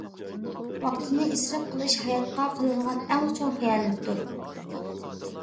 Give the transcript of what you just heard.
ۋاقىتنى ئىسراپ قىلىش ھاياتقا قىلىنغان ئەڭ چوڭ خىيانەتتۇر.